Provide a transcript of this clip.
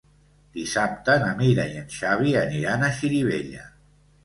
Dissabte na Mira i en Xavi aniran a Xirivella.